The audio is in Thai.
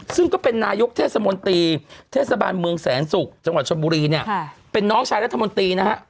ซึ่งก็เป็นนายกเทศมนตรีเทศบาลเมืองแสนศุกร์จังหวัดชนบุรีเนี่ยเป็นน้องชายรัฐมนตรีนะฮะ